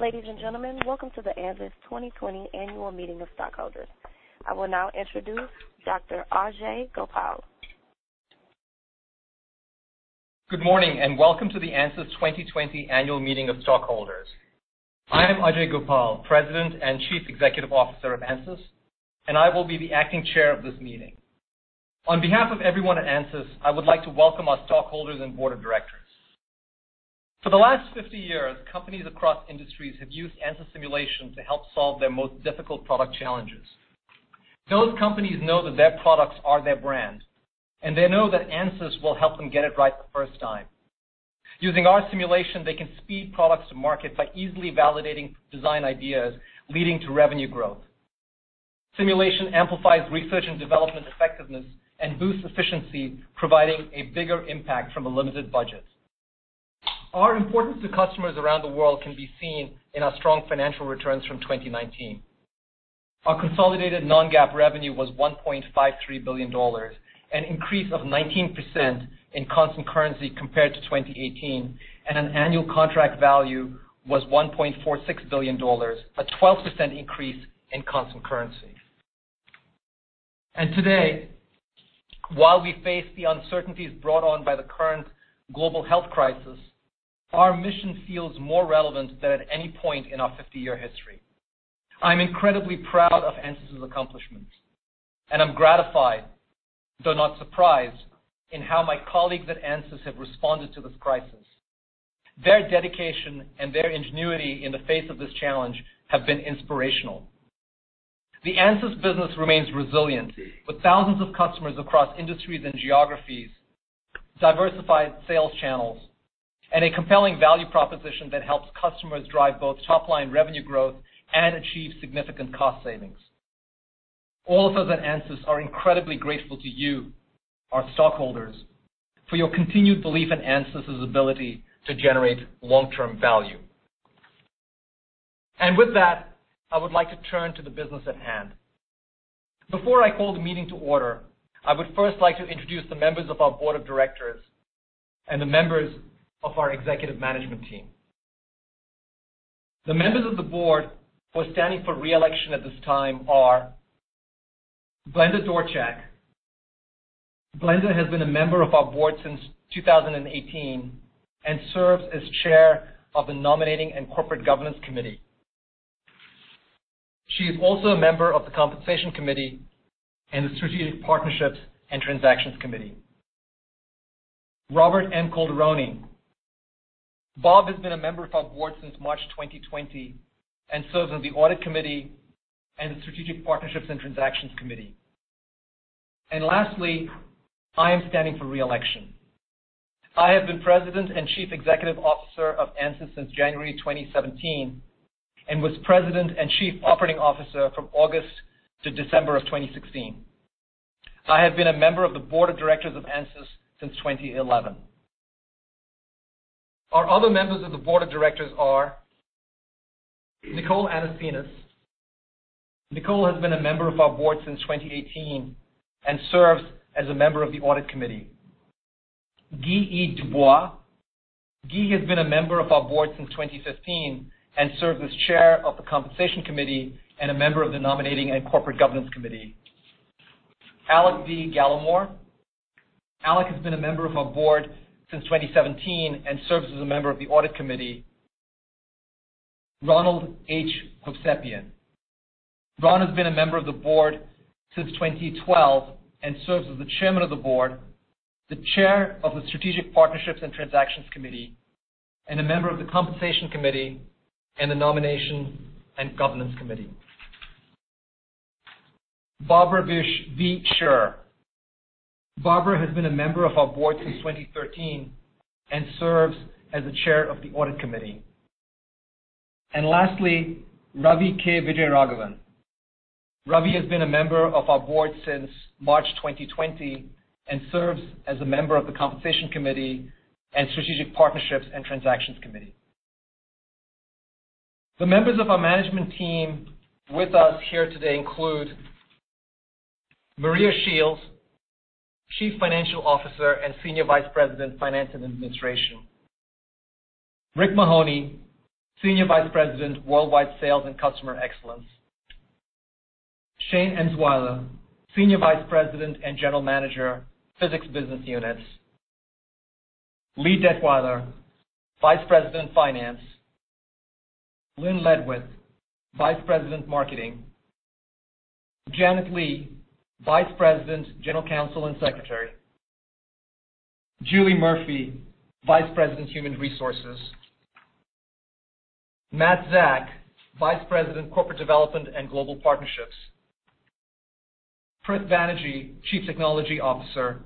Ladies and gentlemen, welcome to the ANSYS 2020 Annual Meeting of Stockholders. I will now introduce Dr. Ajei Gopal. Good morning. Welcome to the ANSYS 2020 Annual Meeting of Stockholders. I am Ajei Gopal, President and Chief Executive Officer of ANSYS. I will be the acting chair of this meeting. On behalf of everyone at ANSYS, I would like to welcome our stockholders and Board of Directors. For the last 50 years, companies across industries have used ANSYS simulation to help solve their most difficult product challenges. Those companies know that their products are their brand. They know that ANSYS will help them get it right the first time. Using our simulation, they can speed products to market by easily validating design ideas, leading to revenue growth. Simulation amplifies research and development effectiveness and boosts efficiency, providing a bigger impact from a limited budget. Our importance to customers around the world can be seen in our strong financial returns from 2019. Our consolidated non-GAAP revenue was $1.53 billion, an increase of 19% in constant currency compared to 2018. An annual contract value was $1.46 billion, a 12% increase in constant currency. Today, while we face the uncertainties brought on by the current global health crisis, our mission feels more relevant than at any point in our 50-year history. I'm incredibly proud of ANSYS's accomplishments, and I'm gratified, though not surprised, in how my colleagues at ANSYS have responded to this crisis. Their dedication and their ingenuity in the face of this challenge have been inspirational. The ANSYS business remains resilient, with thousands of customers across industries and geographies, diversified sales channels, and a compelling value proposition that helps customers drive both top-line revenue growth and achieve significant cost savings. All of us at Ansys are incredibly grateful to you, our stockholders, for your continued belief in Ansys's ability to generate long-term value. With that, I would like to turn to the business at hand. Before I call the meeting to order, I would first like to introduce the members of our board of directors and the members of our executive management team. The members of the board who are standing for re-election at this time are Glenda Dorchak. Glenda has been a member of our board since 2018 and serves as chair of the Nominating and Corporate Governance Committee. She is also a member of the Compensation Committee and the Strategic Partnerships and Transactions Committee. Robert M. Calderoni. Bob has been a member of our board since March 2020 and serves on the Audit Committee and the Strategic Partnerships and Transactions Committee. Lastly, I am standing for re-election. I have been President and Chief Executive Officer of ANSYS since January 2017 and was President and Chief Operating Officer from August to December of 2016. I have been a Member of the Board of Directors of ANSYS since 2011. Our other Members of the Board of Directors are Nicole Anasenes. Nicole has been a Member of our Board since 2018 and serves as a Member of the Audit Committee. Guy E. Dubois. Guy has been a Member of our Board since 2015 and serves as Chair of the Compensation Committee and a Member of the Nominating and Corporate Governance Committee. Alec V. Gallimore. Alec has been a Member of our Board since 2017 and serves as a Member of the Audit Committee. Ronald H. Hovsepian. Ron has been a member of the board since 2012 and serves as the Chairman of the Board, the Chair of the Strategic Partnerships and Transactions Committee, and a member of the Compensation Committee and the Nominating and Corporate Governance Committee. Barbara V. Scherer. Barbara has been a member of our board since 2013 and serves as the Chair of the Audit Committee. Lastly, Ravi K. Vijayaraghavan. Ravi has been a member of our board since March 2020 and serves as a member of the Compensation Committee and Strategic Partnerships and Transactions Committee. The members of our management team with us here today include Maria Shields, Chief Financial Officer and Senior Vice President, Finance and Administration. Rick Mahoney, Senior Vice President, Worldwide Sales and Customer Excellence. Shane Emswiler, Senior Vice President and General Manager, Physics Business Units. Lee Detwiler, Vice President, Finance. Lynn Ledwith, Vice President, Marketing. Janet Lee, Vice President, General Counsel, and Secretary. Julie Murphy, Vice President, Human Resources. Matthew Zack, Vice President, Corporate Development and Global Partnerships. Prith Banerjee, Chief Technology Officer.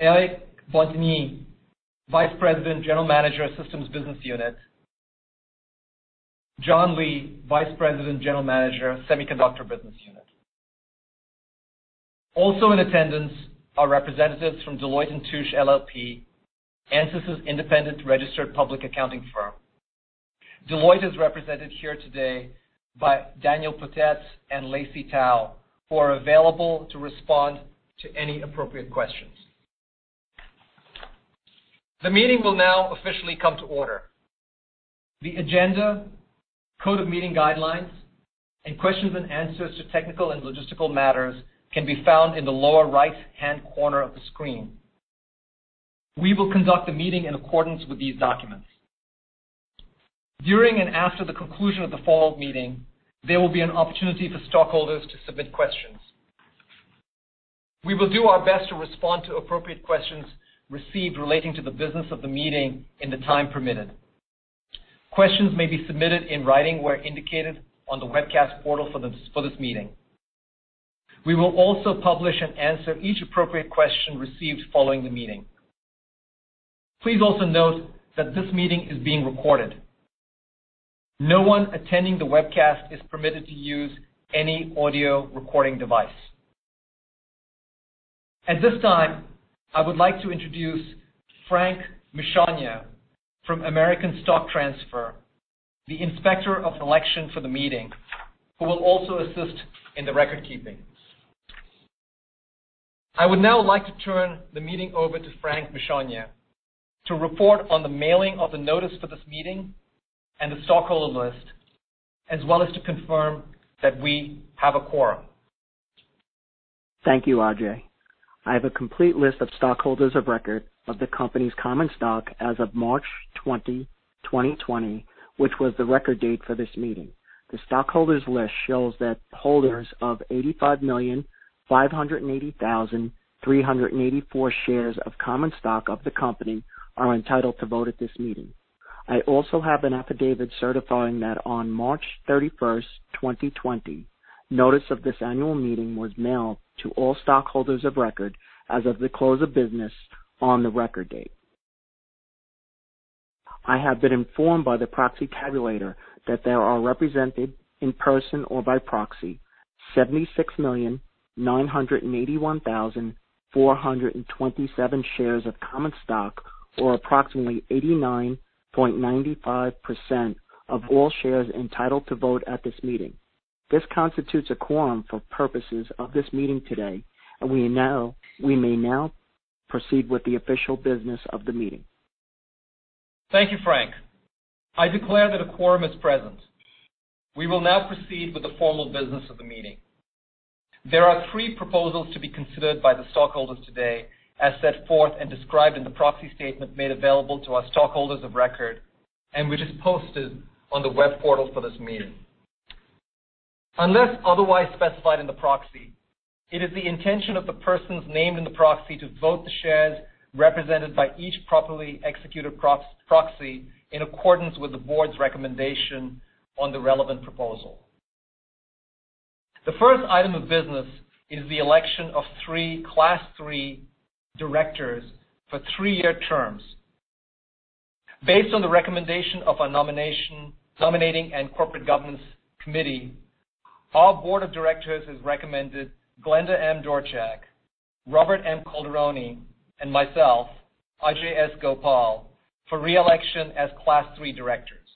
Eric Bodner, Vice President, General Manager, Systems Business Unit. John Lee, Vice President, General Manager, Semiconductor Business Unit. Also in attendance are representatives from Deloitte & Touche LLP, ANSYS' independent registered public accounting firm. Deloitte is represented here today by Daniel Petet and Lacey Tao, who are available to respond to any appropriate questions. The meeting will now officially come to order. The agenda, code of meeting guidelines, and questions and answers to technical and logistical matters can be found in the lower right-hand corner of the screen. We will conduct the meeting in accordance with these documents. During and after the conclusion of the formal meeting, there will be an opportunity for stockholders to submit questions. We will do our best to respond to appropriate questions received relating to the business of the meeting in the time permitted. Questions may be submitted in writing where indicated on the webcast portal for this meeting. We will also publish and answer each appropriate question received following the meeting. Please also note that this meeting is being recorded. No one attending the webcast is permitted to use any audio recording device. At this time, I would like to introduce Frank Miccone from American Stock Transfer, the inspector of election for the meeting, who will also assist in the record-keeping. I would now like to turn the meeting over to Frank Miccone to report on the mailing of the notice for this meeting and the stockholder list, as well as to confirm that we have a quorum. Thank you, Ajei. I have a complete list of stockholders of record of the company's common stock as of March 20, 2020, which was the record date for this meeting. The stockholders' list shows that holders of 85,580,384 shares of common stock of the company are entitled to vote at this meeting. I also have an affidavit certifying that on March 31st, 2020, notice of this annual meeting was mailed to all stockholders of record as of the close of business on the record date. I have been informed by the proxy tabulator that there are represented, in person or by proxy, 76,981,427 shares of common stock, or approximately 89.95% of all shares entitled to vote at this meeting. This constitutes a quorum for purposes of this meeting today, and we may now proceed with the official business of the meeting. Thank you, Frank. I declare that a quorum is present. We will now proceed with the formal business of the meeting. There are three proposals to be considered by the stockholders today, as set forth and described in the proxy statement made available to our stockholders of record and which is posted on the web portal for this meeting. Unless otherwise specified in the proxy, it is the intention of the persons named in the proxy to vote the shares represented by each properly executed proxy in accordance with the board's recommendation on the relevant proposal. The first item of business is the election of three class 3 directors for three-year terms. Based on the recommendation of our Nominating and Corporate Governance Committee, our board of directors has recommended Glenda M. Dorchak, Robert M. Calderoni, and myself, Ajei S. Gopal, for re-election as class 3 directors.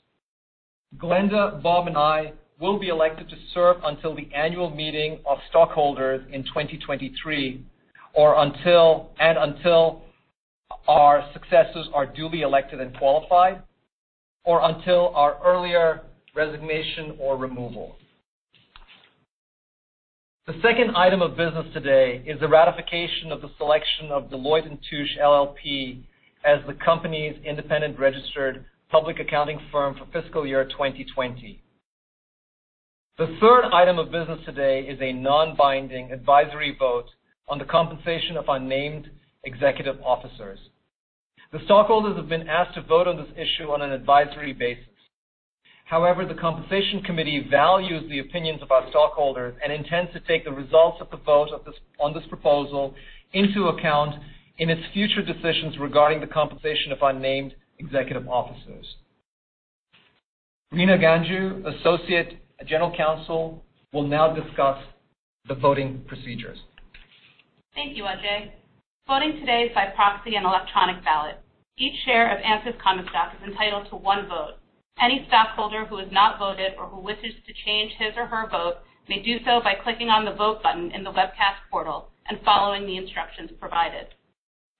Glenda, Bob, and I will be elected to serve until the annual meeting of stockholders in 2023 and until our successors are duly elected and qualified or until our earlier resignation or removal. The second item of business today is the ratification of the selection of Deloitte & Touche LLP as the company's independent registered public accounting firm for fiscal year 2020. The third item of business today is a non-binding advisory vote on the compensation of our named executive officers. The stockholders have been asked to vote on this issue on an advisory basis. However, the Compensation Committee values the opinions of our stockholders and intends to take the results of the vote on this proposal into account in its future decisions regarding the compensation of our named executive officers. Reena Ganjoo, Associate General Counsel, will now discuss the voting procedures. Thank you, Ajei. Voting today is by proxy and electronic ballot. Each share of Ansys common stock is entitled to one vote. Any stockholder who has not voted or who wishes to change his or her vote may do so by clicking on the Vote button in the webcast portal and following the instructions provided.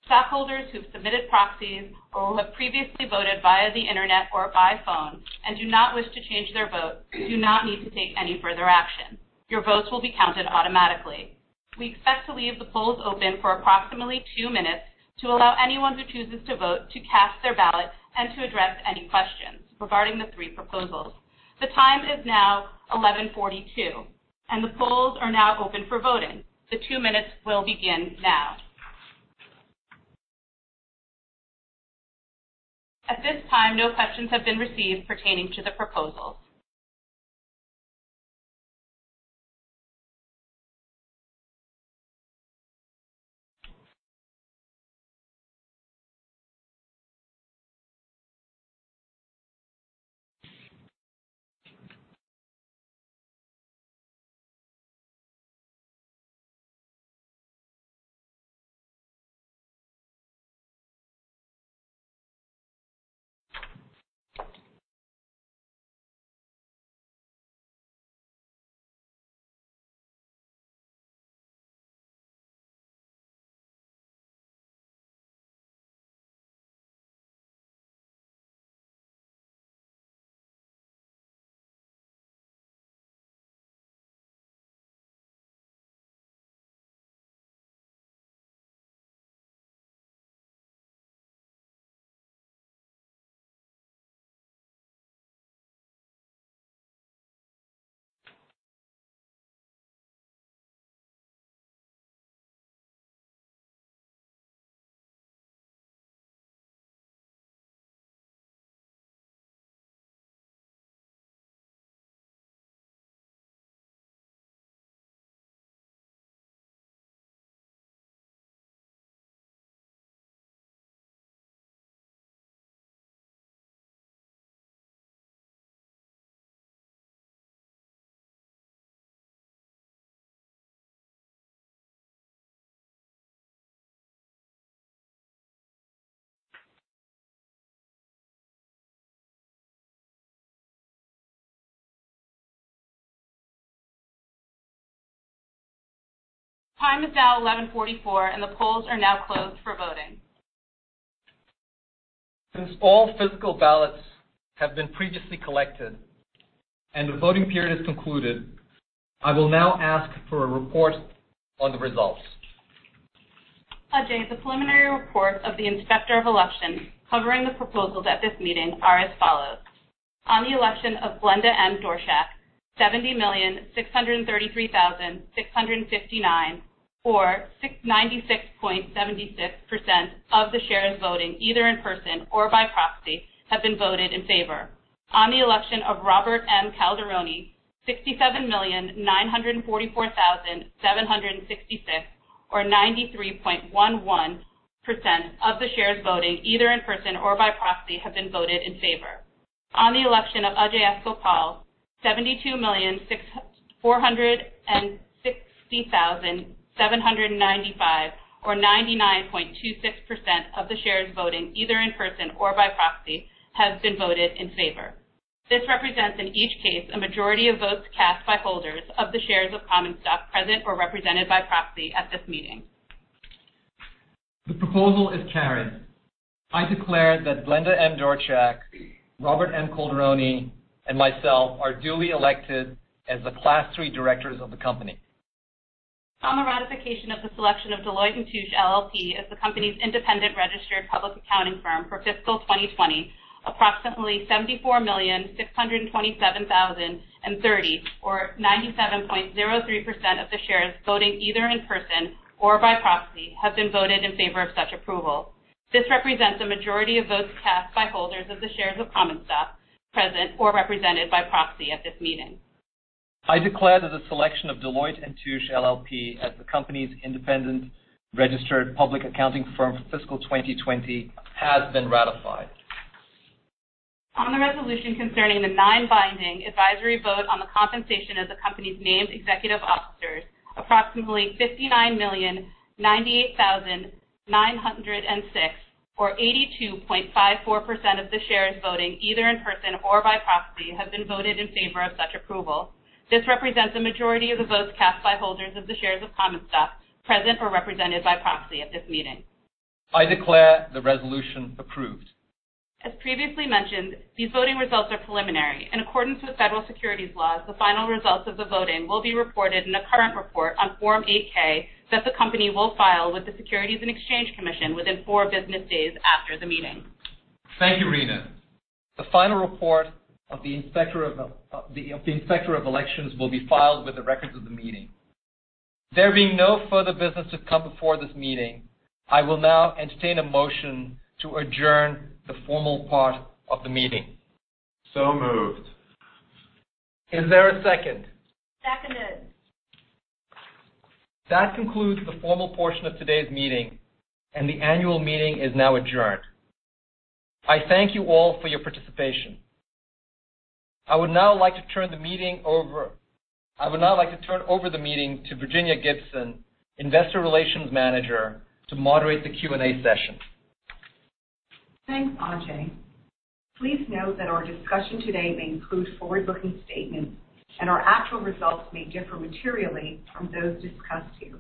Stockholders who've submitted proxies or who have previously voted via the internet or by phone and do not wish to change their vote do not need to take any further action. Your votes will be counted automatically. We expect to leave the polls open for approximately two minutes to allow anyone who chooses to vote to cast their ballot and to address any questions regarding the three proposals. The time is now 11:42 A.M., and the polls are now open for voting. The two minutes will begin now. At this time, no questions have been received pertaining to the proposals. The time is now 11:44 A.M., and the polls are now closed for voting. Since all physical ballots have been previously collected and the voting period is concluded, I will now ask for a report on the results. Ajei, the preliminary report of the Inspector of Elections covering the proposals at this meeting are as follows. On the election of Glenda M. Dorchak, 70,633,659 or 96.76% of the shares voting either in person or by proxy, have been voted in favor. On the election of Robert M. Calderoni, 67,944,766 or 93.11% of the shares voting either in person or by proxy, have been voted in favor. On the election of Ajei S. Gopal, 72,460,795 or 99.26% of the shares voting either in person or by proxy, has been voted in favor. This represents, in each case, a majority of votes cast by holders of the shares of common stock present or represented by proxy at this meeting. The proposal is carried. I declare that Glenda M. Dorchak, Robert M. Calderoni, and myself are duly elected as the class 3 directors of the company. On the ratification of the selection of Deloitte & Touche LLP as the company's independent registered public accounting firm for fiscal 2020, approximately 74,627,030 or 97.03% of the shares voting either in person or by proxy, have been voted in favor of such approval. This represents a majority of votes cast by holders of the shares of common stock present or represented by proxy at this meeting. I declare that the selection of Deloitte & Touche LLP as the company's independent registered public accounting firm for fiscal 2020 has been ratified. On the resolution concerning the non-binding advisory vote on the compensation of the company's named executive officers, approximately 59,098,906 or 82.54% of the shares voting either in person or by proxy, have been voted in favor of such approval. This represents a majority of the votes cast by holders of the shares of common stock present or represented by proxy at this meeting. I declare the resolution approved. As previously mentioned, these voting results are preliminary. In accordance with federal securities laws, the final results of the voting will be reported in a current report on Form 8-K that the company will file with the Securities and Exchange Commission within four business days after the meeting. Thank you, Reena. The final report of the Inspector of Elections will be filed with the records of the meeting. There being no further business to come before this meeting, I will now entertain a motion to adjourn the formal part of the meeting. So moved. Is there a second? Seconded. That concludes the formal portion of today's meeting, and the annual meeting is now adjourned. I thank you all for your participation. I would now like to turn over the meeting to Virginia Gibson, Investor Relations Manager, to moderate the Q&A session. Thanks, Ajei. Please note that our discussion today may include forward-looking statements and our actual results may differ materially from those discussed here.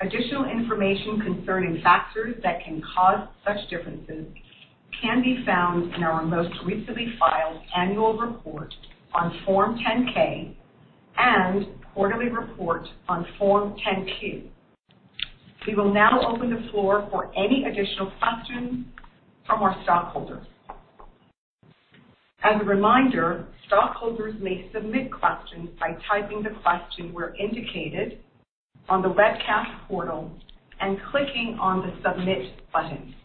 Additional information concerning factors that can cause such differences can be found in our most recently filed annual report on Form 10-K and quarterly report on Form 10-Q. We will now open the floor for any additional questions from our stockholders. As a reminder, stockholders may submit questions by typing the question where indicated on the webcast portal and clicking on the submit button.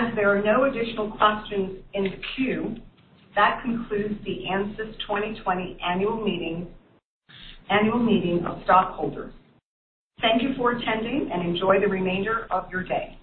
As there are no additional questions in the queue, that concludes the Ansys 2020 Annual Meeting of Stockholders. Thank you for attending and enjoy the remainder of your day.